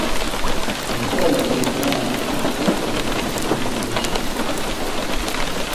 The Italian team team won eight events in this edition.